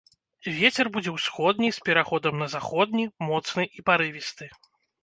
Вецер будзе ўсходні з пераходам на заходні, моцны і парывісты.